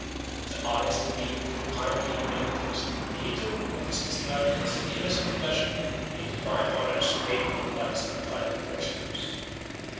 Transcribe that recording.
His eyes beamed with kindly human interest, and he took what is described as an innocent pleasure in the divine honours paid him by his confiding worshippers.